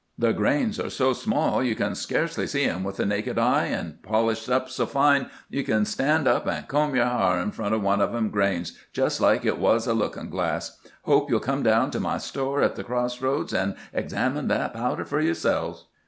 The grains are so small you kin sea'cely see 'em with the naked eye, and polished up so fine you kin stand up and comb yer ha'r in front of one o' them grains jest like it was a lookin' glass. Hope you '11 come down to my store at the cross roads and examine that powder for yourselves.'